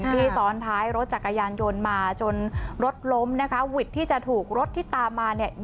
ซ้อนท้ายรถจักรยานยนต์มาจนรถล้มนะคะวิทย์ที่จะถูกรถที่ตามมาเนี่ย